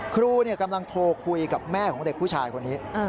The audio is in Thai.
ครูกำลังโทรคุยกับแม่ของเด็กผู้ชายคนนี้